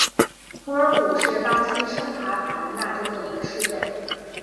图尔武是巴西圣卡塔琳娜州的一个市镇。